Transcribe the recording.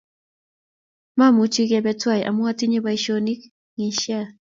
Mamuchi kebe tuwai amu atinye boisionik ng'isian